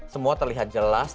semua terlihat jelas